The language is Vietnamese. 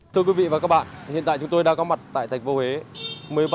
thưa quý vị và các bạn hiện tại chúng tôi đang có mặt tại thành phố huế